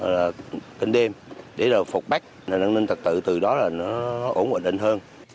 là cân đêm để phục bách an ninh trật tự từ đó là nó ổn định hơn